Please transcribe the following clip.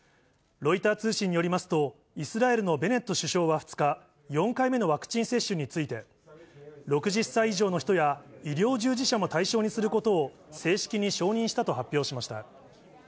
ロイター通信によりますと、イスラエルのベネット首相は２日、４回目のワクチン接種について、６０歳以上の人や医療従事者も対象にすることを正式に承認したと発表しました。